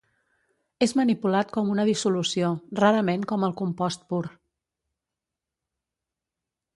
És manipulat com una dissolució, rarament com el compost pur.